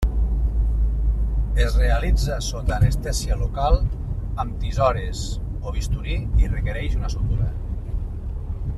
Es realitza sota anestèsia local amb tisores o bisturí i requereix una sutura.